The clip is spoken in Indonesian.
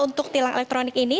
untuk tilang elektronik ini